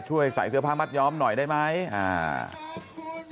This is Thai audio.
ใส่เสื้อผ้ามัดยอมหน่อยได้ไหมอ่า